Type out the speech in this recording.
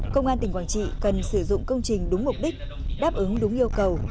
công an tỉnh quảng trị cần sử dụng công trình đúng mục đích đáp ứng đúng yêu cầu